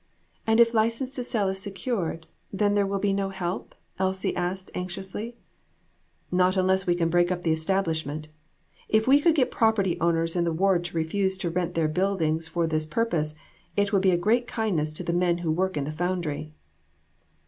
"And if license to sell is secured, then there will be no help?" Elsie asked, anxiously. "Not unless we can break up the establish ment. If we could get property owners in the ward to refuse to rent their buildings for this pur pose, it would be a great kindness to the men who work in the foundry."